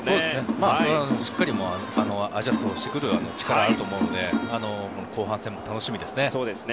その辺はしっかりアジャストしてくる力はあると思うので後半戦も楽しみですね。